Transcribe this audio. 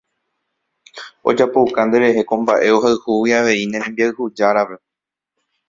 Ojapouka nderehe ko mba'e ohayhúgui avei ne rembiayhujárape.